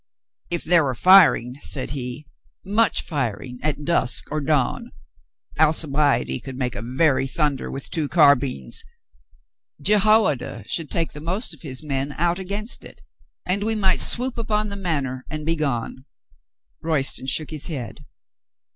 "H there were firing," said he, "much firing, at dusk or dawn 72 COLONEL GREATHEART (Alcibiade could make a very thunder with two carbines), Jehoiada should take the most of his men out against it, and we might swoop upon the Manor and be gone." Royston shook his head.